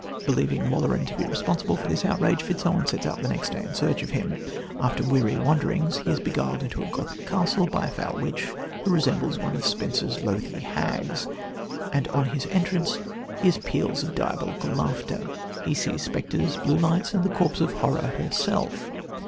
Believing Walleran to be responsible for this outrage, Fitzowen sets out the next day in search of him. After weary wanderings he is beguiled into a Gothic castle by a foul witch, who resembles one of Spenser's loathly hags, and on his entrance hears peals of diabolical laughter. He sees spectres, blue lights, and the corpse of Horror herself.